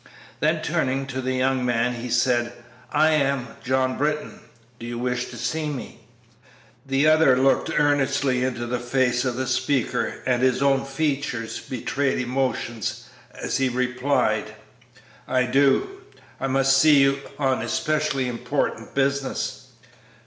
Then turning to the young man, he said, "I am John Britton; do you wish to see me?" The other looked earnestly into the face of the speaker, and his own features betrayed emotion as he replied, "I do; I must see you on especially important business."